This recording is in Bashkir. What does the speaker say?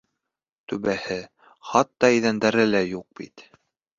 — Түбәһе, хатта иҙәндәре лә юҡ бит.